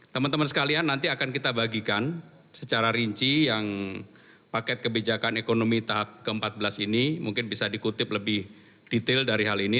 teman teman sekalian nanti akan kita bagikan secara rinci yang paket kebijakan ekonomi tahap ke empat belas ini mungkin bisa dikutip lebih detail dari hal ini